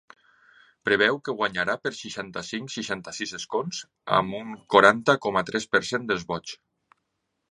Preveu que guanyarà per seixanta-cinc-seixanta-sis escons, amb un quaranta coma tres per cent dels vots.